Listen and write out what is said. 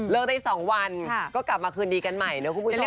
เลิกได้สองวันก็กลับมาคืนดีกันใหม่เนอะคุณผู้ชมค่ะ